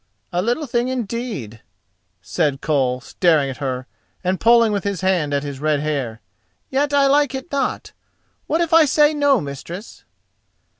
"A little thing indeed," said Koll, staring at her, and pulling with his hand at his red hair, "yet I like it not. What if I say no, mistress?"